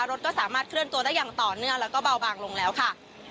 รถก็สามารถเคลื่อนตัวได้อย่างต่อเนื่องแล้วก็เบาบางลงแล้วค่ะ